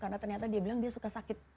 karena ternyata dia bilang dia suka sakit